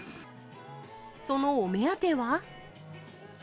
そのお目当ては。